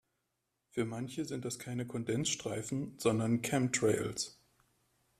Für manche sind das keine Kondensstreifen, sondern Chemtrails.